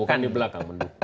bukan di belakang